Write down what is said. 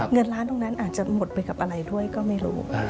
เงินล้านตรงนั้นอาจจะหมดไปกับอะไรด้วยก็ไม่รู้